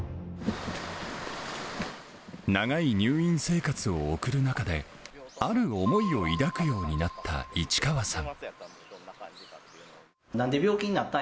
長い入院生活を送る中で、ある思いを抱くようになった市川さん。